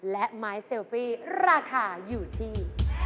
และไม้เซลฟี่ราคาอยู่ที่